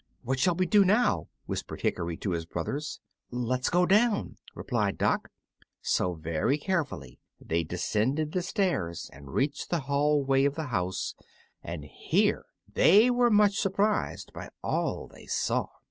"What shall we do now?" whispered Hickory to his brothers. "Let's go down," replied Dock. So, very carefully, they descended the stairs and reached the hallway of the house, and here they were much surprised by all they saw.